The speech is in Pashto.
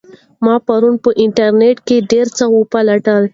موږ پرون په انټرنیټ کې ډېر څه وپلټل.